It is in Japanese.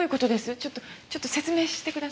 ちょっとちょっと説明してください。